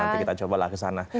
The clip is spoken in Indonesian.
nanti kita cobalah ke sana